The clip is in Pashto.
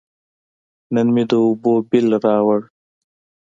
نن مې د اوبو بیل راووړ.